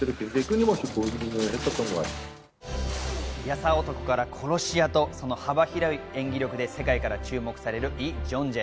優男から殺し屋とその幅広い演技力で世界から注目されるイ・ジョンジェ。